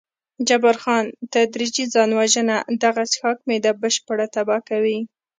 جبار خان: تدریجي ځان وژنه، دغه څښاک معده بشپړه تباه کوي.